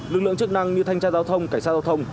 lực lượng chức năng như thanh tra giao thông cảnh sát giao thông